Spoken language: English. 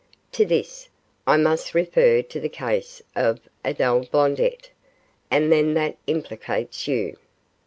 To do this, I must refer to the case of Adele Blondet, and then that implicates you.